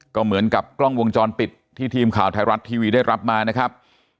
ก็เหมือนกับกล้องวงจรปิดที่ทีมข่าวไทยรัฐทีวีได้รับมานะครับ